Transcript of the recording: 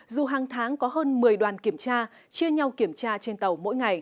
dù hàng tháng có hơn một mươi đoàn kiểm tra chia nhau kiểm tra trên tàu